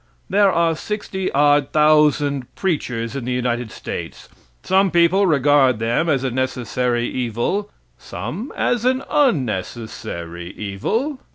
There are sixty odd thousand preachers in the United States. Some people regard them as a necessary evil; some as an unnecessary evil.